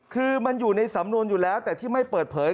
คือมันอยู่ในสำนวนอยู่แล้วแต่ที่ไม่เปิดเผย